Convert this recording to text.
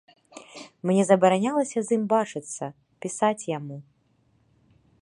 Мне забаранялі з ім бачыцца, пісаць яму.